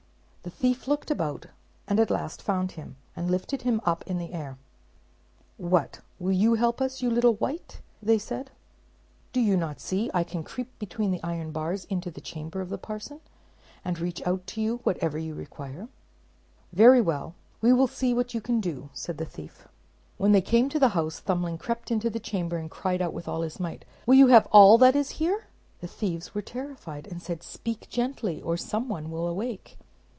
The thief looked about, and at last found him; and lifted him up in the air. "What, will you help us, you little wight?" said they. "Do you not see I can creep between the iron bars into the chamber of the parson, and reach out to you whatever you require?" "Very well; we will see what you can do," said the thief. When they came to the house, Thumbling crept into the chamber, and cried out with all his might, "Will you have all that is here?" The thieves were terrified, and said, "Speak gently, or some one will awake."